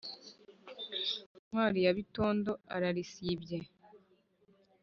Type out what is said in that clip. ntwari ya bitondo ararisibye.